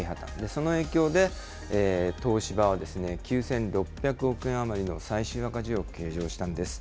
その影響で、東芝はですね、９６００億円余りの最終赤字を計上したんです。